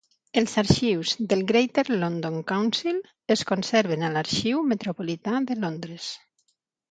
Els arxius del Greater London Council es conserven a l'Arxiu Metropolità de Londres.